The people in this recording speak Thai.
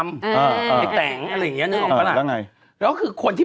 เด็กแต่งอะไรอย่างนี้นึกออกประมาณนั้น